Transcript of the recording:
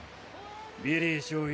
ビリー少尉